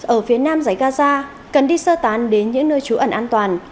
ở phía nam giải gaza cần đi sơ tán đến những nơi trú ẩn an toàn